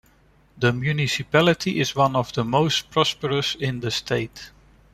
The municipality is one of the most prosperous in the state.